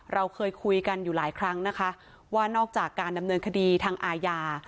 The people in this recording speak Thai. เราเคยคุยกันอยู่หลายครั้งนะคะว่านอกจากการดำเนินคดีทางอาญา